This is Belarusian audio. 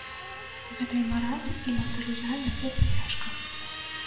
Гэта і маральна, і матэрыяльна вельмі цяжка.